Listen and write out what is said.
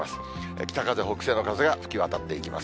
北風、北西の風が吹き渡っていきます。